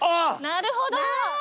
なるほど。